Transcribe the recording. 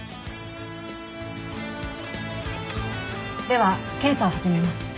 では検査を始めます。